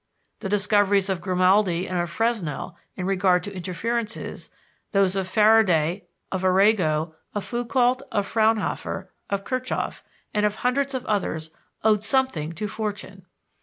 The discoveries of Grimaldi and of Fresnel in regard to interferences, those of Faraday, of Arago, of Foucault, of Fraunhofer, of Kirchoff, and of hundreds of others owed something to "fortune."